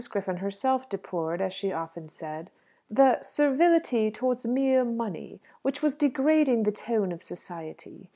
Griffin herself deplored, as she often said, "the servility towards mere money, which was degrading the tone of society."